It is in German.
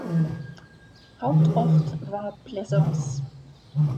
Hauptort war Plaisance.